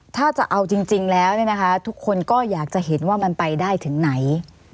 ถ้าจะเอาจริงแล้วทุกคนก็อยากจะเห็นว่ามันไปได้ถึงไหน